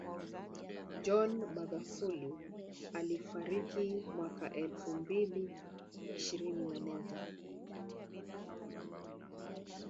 John Magufuli alifariki mwaka elfu mbili ishirini na moja